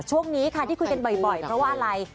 ช่วงนี้ค่ะที่คุยกันบ่อยเพราะว่าอะไร